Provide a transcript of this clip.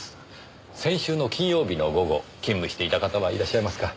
先週の金曜日の午後勤務していた方はいらっしゃいますか？